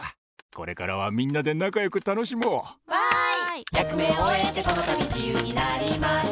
これからはみんなでなかよくたのしもう！わい！